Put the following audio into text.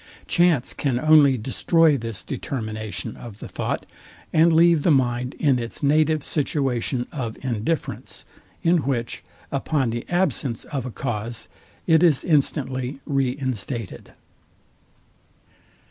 Chance can only destroy this determination of the thought, and leave the mind in its native situation of indifference; in which, upon the absence of a cause, it is instantly re instated.